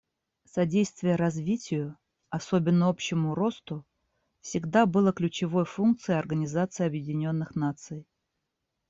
Содействие развитию, особенно общему росту, всегда было ключевой функцией Организации Объединенных Наций.